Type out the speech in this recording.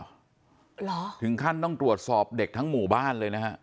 เหรอถึงขั้นต้องตรวจสอบเด็กทั้งหมู่บ้านเลยนะฮะ